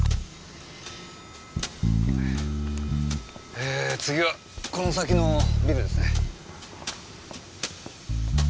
えー次はこの先のビルですね。